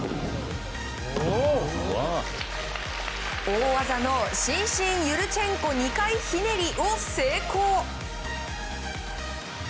大技の伸身ユルチェンコ２回ひねりを成功。